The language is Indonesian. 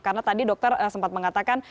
karena tadi dokter sempat mengatakan